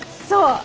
そう！